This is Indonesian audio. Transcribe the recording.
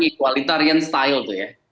equalitarian style tuh ya